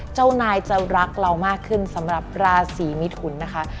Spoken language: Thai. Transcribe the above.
เจ้านายจะรักเรามากขึ้นสำหรับราศีมิถุนนะคะ